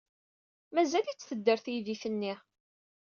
Mazal-itt tedder teydit-nni.